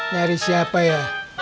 dari siapa ya